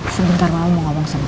sebentar mama mau ngomong sama kamu